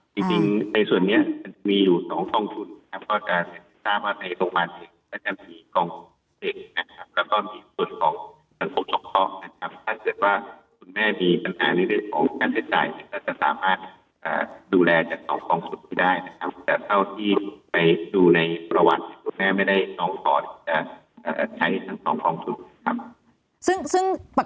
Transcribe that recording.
ที่สิ่งในส่วนนี้มันจะมีอยู่